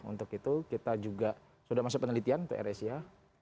untuk itu kita juga sudah masuk penelitian ke air asia